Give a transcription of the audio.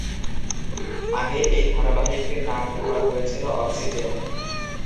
আগে এই ধারাবাহিকটির নাম ঠিক করা হয়েছিল "অক্সিজেন"।